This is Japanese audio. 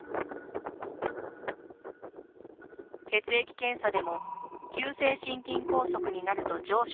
血液検査でも、急性心筋梗塞になると上昇する